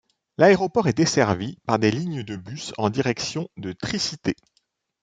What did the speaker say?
L'aéroport est desservi par des lignes de bus en direction de Tricité.